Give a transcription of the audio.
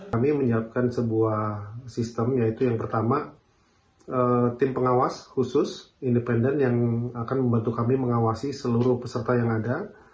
kami menyiapkan sebuah sistem yaitu yang pertama tim pengawas khusus independen yang akan membantu kami mengawasi seluruh peserta yang ada